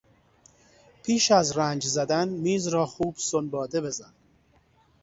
پیش از رنگ زدن میز را خوب سنباده بزن.